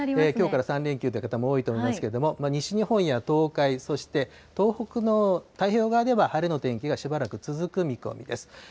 きょうから３連休という方も多いと思いますが、西日本や東海、そして東北の太平洋側では晴れの天気がしばらく続く見込みです。